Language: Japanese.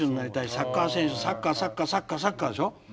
サッカーサッカーサッカーサッカー」でしょ？